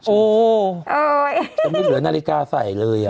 โอ้ยังไม่เหลือนาฬิกาใส่เลย